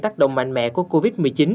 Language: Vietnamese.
tác động mạnh mẽ của covid một mươi chín